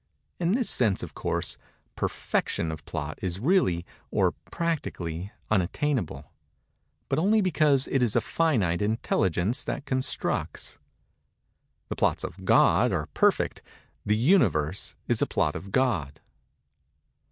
In this sense, of course, perfection of plot is really, or practically, unattainable—but only because it is a finite intelligence that constructs. The plots of God are perfect. The Universe is a plot of God.